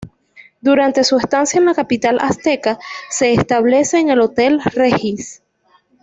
Durante su estancia en la capital azteca se establece en el Hotel Regis.